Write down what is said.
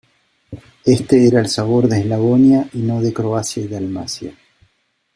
Este era el Sabor de Eslavonia, y no de Croacia y Dalmacia.